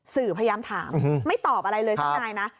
สื่อพยายามถามไม่ตอบอะไรเลยสักนายนะ